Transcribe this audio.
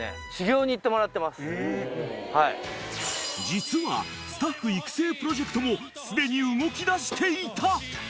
［実はスタッフ育成プロジェクトもすでに動きだしていた］